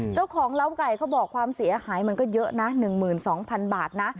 เจ้าของเลาไก่เขาบอกความเสียหายมันก็เยอะนะหนึ่งหมื่นสองพันบาท